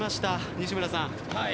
西村さん。